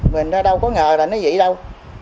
mình đâu có ngờ là nó vậy đâu